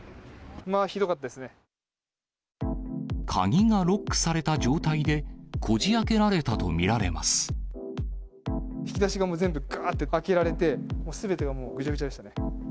まあ、ひどかったです鍵がロックされた状態で、引き出しがもう、全部、ばーって開けられて、すべてがもうぐちゃぐちゃでしたね。